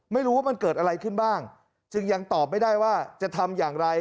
ไม่รู้ว่ามันเกิดอะไรขึ้นบ้างจึงยังตอบไม่ได้ว่าจะทำอย่างไร